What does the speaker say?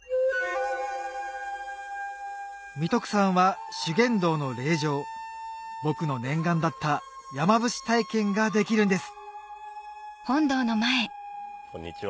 三徳山は修験道の霊場僕の念願だった山伏体験ができるんですこんにちは。